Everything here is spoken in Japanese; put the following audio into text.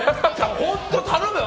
本当、頼むわ！